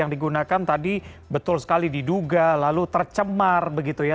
yang digunakan tadi betul sekali diduga lalu tercemar begitu ya